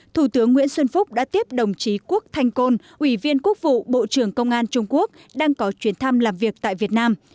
thủ tướng nguyễn xuân phúc đã tiếp đồng chí quốc thanh côn ủy viên quốc vụ bộ trưởng công an trung quốc đang có chuyến thăm làm việc tại việt nam